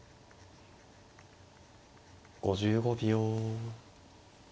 ５５秒。